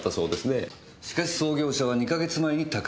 しかし創業者は２か月前に他界。